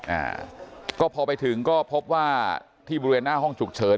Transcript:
อ่าก็พอไปถึงก็พบว่าที่บริเวณหน้าห้องฉุกเฉิน